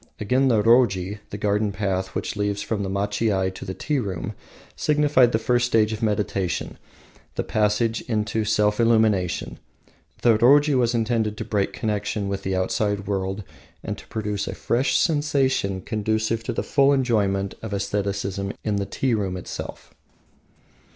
Again the roji, the garden path which leads from the machiai to the tea room, signified the first stage of meditation, the passage into self illumination. The roji was intended to break connection with the outside world, and produce a fresh sensation conducive to the full enjoyment of aestheticism in the tea room itself.